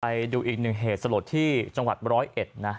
ไปดูอีกหนึ่งเหตุสลดที่จังหวัดร้อยเอ็ดนะ